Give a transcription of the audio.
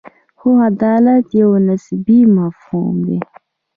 خو عدالت یو نسبي مفهوم دی.